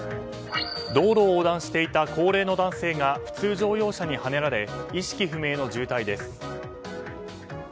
道路を横断していた高齢の男性が普通乗用車にはねられ意識不明の重体です。